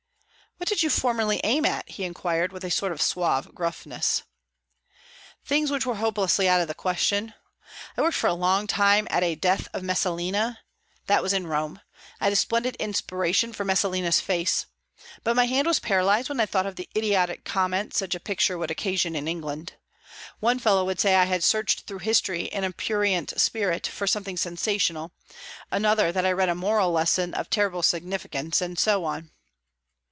"What did you formerly aim at?" he inquired, with a sort of suave gruffness. "Things which were hopelessly out of the question. I worked for a long time at a 'Death of Messalina.' That was in Rome. I had a splendid inspiration for Messalina's face. But my hand was paralyzed when I thought of the idiotic comments such a picture would occasion in England. One fellow would say I had searched through history in a prurient spirit for something sensational; another, that I read a moral lesson of terrible significance; and so on."